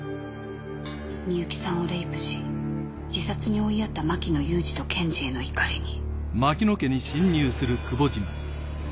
深雪さんをレイプし自殺に追いやった牧野雄司と賢二への怒りに